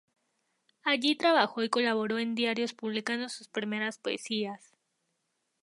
Allí trabajó y colaboró en diarios publicando sus primeras poesías.